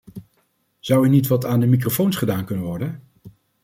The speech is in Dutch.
Zou er niet wat aan de microfoons gedaan kunnen worden?